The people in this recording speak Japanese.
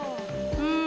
うん。